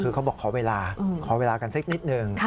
คือเขาบอกขอเวลาขอเวลากันสักนิดหนึ่ง